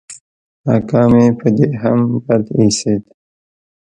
اکا مې په دې هم بد اېسېد.